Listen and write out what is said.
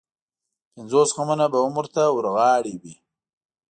پنځوس غمونه به هم ورته ورغاړې وي.